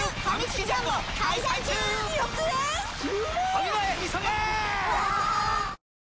ファミマへ急げ！！